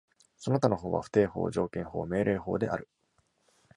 その他の法は、不定法、条件法、命令法である。